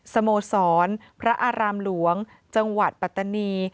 สโมสรพระอารามหลวงจังหวัดปัตตานี